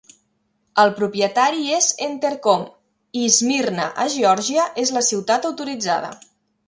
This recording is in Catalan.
El propietari és Entercom i Smyrna, a Georgia, és la ciutat autoritzada.